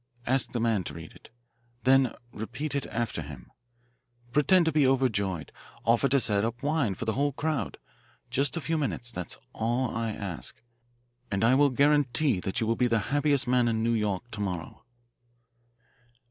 Ask the man to read it. Then repeat it after him. Pretend to be overjoyed. Offer to set up wine for the whole crowd. Just a few minutes, that is all I ask, and I will guarantee that you will be the happiest man in New York to morrow."